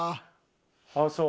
ああそう。